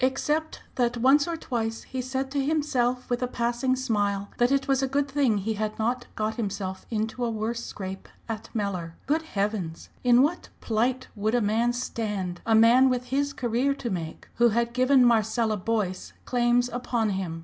Except that once or twice he said to himself with a passing smile that it was a good thing he had not got himself into a worse scrape at Mellor. Good heavens! in what plight would a man stand a man with his career to make who had given Marcella Boyce claims upon him!